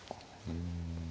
うん。